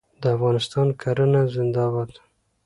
د افغانستان کرنه زنده باد.